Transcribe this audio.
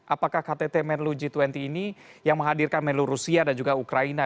apakah ktt menlu g dua puluh ini yang menghadirkan menlu rusia dan juga ukraina